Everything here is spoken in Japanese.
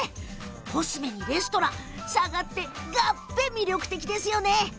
コスメにレストラン、佐賀ってがっぺ魅力的ですよね。